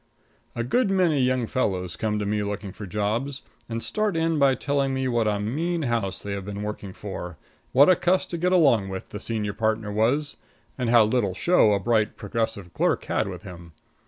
A good many young fellows come to me looking for jobs, and start in by telling me what a mean house they have been working for; what a cuss to get along with the senior partner was; and how little show a bright, progressive clerk had with him.